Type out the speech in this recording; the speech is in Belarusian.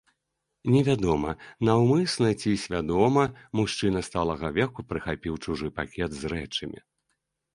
Невядома, наўмысна ці свядома мужчына сталага веку прыхапіў чужы пакет з рэчамі.